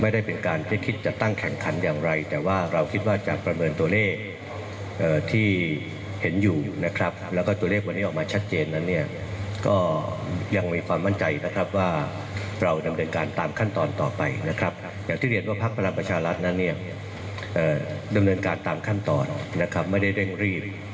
ดำเนินการตามขั้นตอนนะครับไม่ได้เร่งรีบ